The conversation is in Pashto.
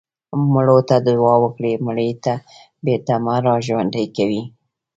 مړو ته دعا وکړئ مړي بېرته مه راژوندي کوئ.